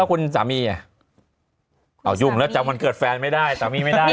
คุณสามีอ่ะอ้าวยุ่งแล้วจำวันเกิดแฟนไม่ได้สามีไม่ได้